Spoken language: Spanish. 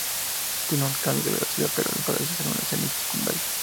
Tiene un cambio de velocidad, pero al parecer es un lanzamiento secundario.